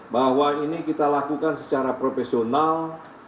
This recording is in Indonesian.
bahwa ini kita lakukan secara profesional